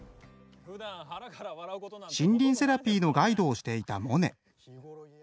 森林セラピーのガイドをしていたモネ。